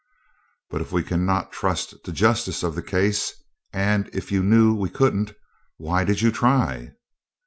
"But if we cannot trust to the justice of the case, and if you knew we couldn't, why did you try?"